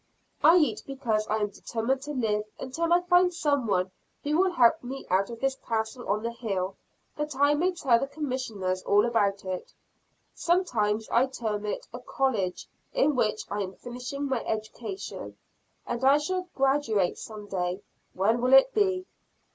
I eat because I am determined to live until I find some one who will help me out of this castle on the hill, that I may tell the Commissioners all about it. Sometimes I term it a college, in which I am finishing my education, and I shall graduate some day when will it be?